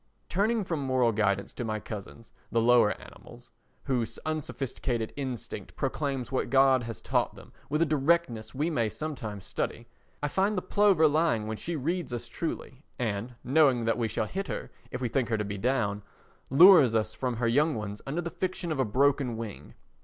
* Turning for moral guidance to my cousins the lower animals—whose unsophisticated instinct proclaims what God has taught them with a directness we may sometimes study—I find the plover lying when she reads us truly and, knowing that we shall hit her if we think her to be down, lures us from her young ones under the fiction of a broken wing.